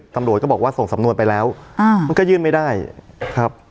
ตำรวจก็บอกว่าส่งสำนวนไปแล้วมันก็ยื่นไม่ได้ครับ